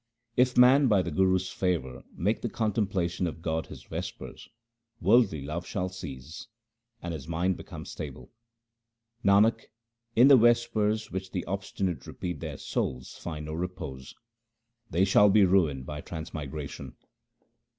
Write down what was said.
If man by the Guru's favour make the contemplation of God his vespers, worldly love shall cease and his mind become stable. Nanak, in the vespers which the obstinate repeat their souls find no repose ; they shall be ruined by transmigration.